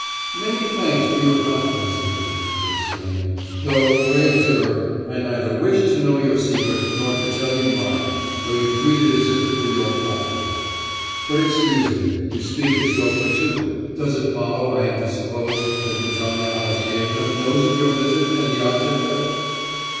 'Many thanks for your confidence in me!' he exclaimed, 'though, pray observe, I neither wished to know your secret, nor to tell you mine, though you treat it as if it were your property. But excuse me, you speak as though for two. Does it follow I am to suppose that Natalya Alexyevna knows of your visit, and the object of it?